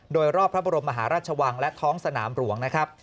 โดยรอบพระบรมมหาราชวังและท้องสนามหลวงนะครับ